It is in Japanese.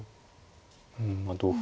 うん同歩